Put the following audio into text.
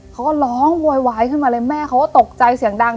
เขาก็ร้องโวยวายขึ้นมาเลยแม่เขาก็ตกใจเสียงดัง